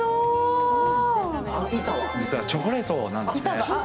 板は実はチョコレートなんですね。